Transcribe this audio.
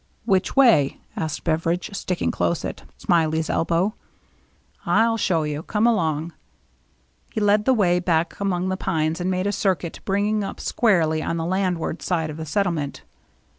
"Which way?" asked Beveridge, sticking close at Smiley 's elbow. " I'll show you ; come along." He led the way back among the pines and made a circuit, 248 THE MERRY ANNE bringing up squarely on the landward side of the settlement.